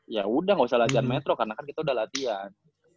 ya udah gak usah latihan metro karena kan kita udah latihan